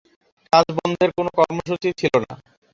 কাজ বন্ধের কোনো কর্মসূচি ছিল না।